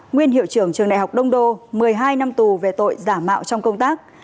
nguyên hiệu trưởng trường đại học đông đô một mươi hai năm tù về tội giả mạo trong công tác